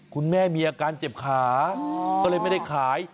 คุณแม่มีอาการเจ็บขาก็เลยไม่ได้ขาย